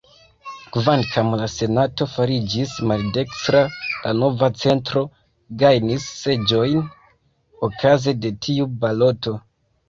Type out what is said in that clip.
Kvankam la Senato fariĝis maldekstra, la Nova Centro gajnis seĝojn okaze de tiu baloto.